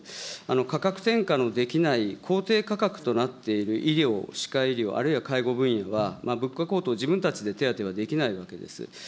価格転嫁のできない公定価格となっている医療、歯科医療、あるいは介護分野は物価高騰、自分たちで手当はできないわけです。